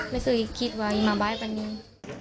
ไม่สิคิดว่ามีมาบ้านป่ะเนี่ย